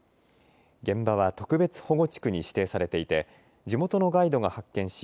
現場は特別保護地区に指定されていて地元のガイドが発見し